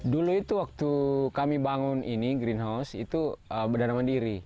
dulu itu waktu kami bangun ini greenhouse itu berdana mandiri